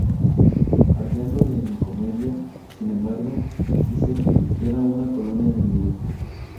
Arriano de Nicomedia, sin embargo, dice que era una colonia de Mileto.